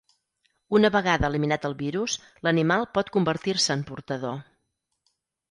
Una vegada eliminat el virus, l'animal pot convertir-se en portador.